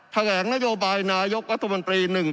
แถวงัเราบายแกรงนายกวัฏอมันตรีหนึ่ง